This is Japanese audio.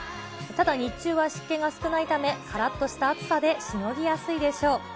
ただ日中は湿気が少ないため、からっとした暑さでしのぎやすいでしょう。